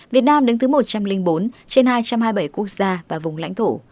việt nam đứng thứ một trăm linh bốn trên hai trăm hai mươi bảy quốc gia và vùng lãnh thổ